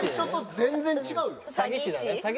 全然違う。